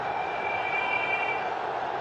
هم د زرو موږكانو سكه پلار يم